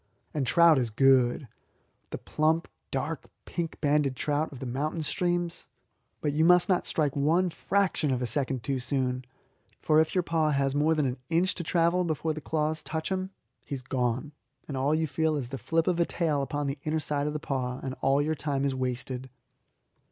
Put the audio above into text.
And trout is good the plump, dark, pink banded trout of the mountain streams. But you must not strike one fraction of a second too soon, for if your paw has more than an inch to travel before the claws touch him he is gone, and all you feel is the flip of a tail upon the inner side of the paw, and all your time is wasted.